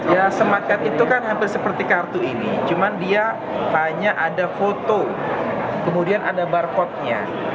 ya smart card itu kan hampir seperti kartu ini cuma dia tanya ada foto kemudian ada barcode nya